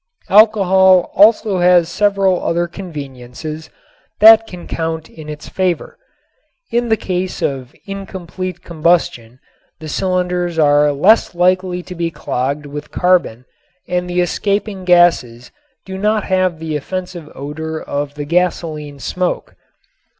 Alcohol also has several other conveniences that can count in its favor. In the case of incomplete combustion the cylinders are less likely to be clogged with carbon and the escaping gases do not have the offensive odor of the gasoline smoke.